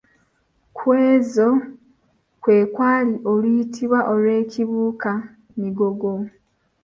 Ku ezo kwe kwali oluyitibwa olw'Ekibuuka-migogo.